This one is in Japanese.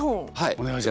お願いします。